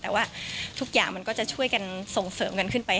แต่ว่าทุกอย่างมันก็จะช่วยกันส่งเสริมกันขึ้นไป